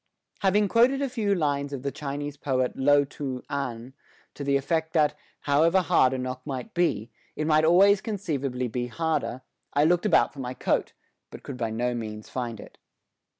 Having quoted a few lines of the Chinese poet Lo tun an to the effect that, however hard a knock might be, it might always conceivably be harder, I looked about for my coat, but could by no means find it.